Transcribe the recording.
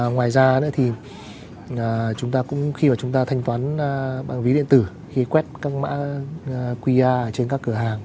ngoài ra nữa thì khi chúng ta thanh toán bằng ví điện tử khi quét các mã qr trên các cửa hàng